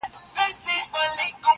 د ګیدړ باټو له حاله وو ایستلی،